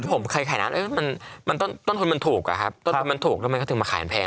ผมเคยขายร้านมันต้นทุนมันถูกอะครับต้นทุนมันถูกทำไมเขาถึงมาขายมันแพง